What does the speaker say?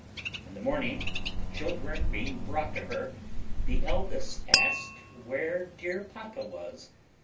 In the morning the children being brought to her, the eldest asked where dear papa was?